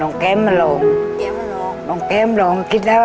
อยู่กับร้านแก๊มนี่แหละ